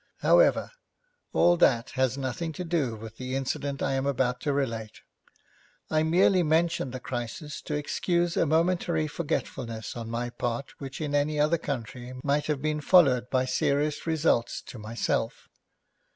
However, all that has nothing to do with the incident I am about to relate. I merely mention the crisis to excuse a momentary forgetfulness on my part which in any other country might have been followed by serious results to myself.